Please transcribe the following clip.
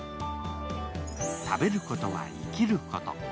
食べることは生きること。